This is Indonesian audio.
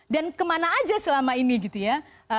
dan kemana aja selama ini gitu ya